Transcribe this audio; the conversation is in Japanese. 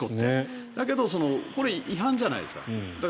だけど、これ違反じゃないですか。